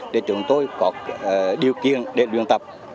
để chúng tôi có điều kiện để luyện tập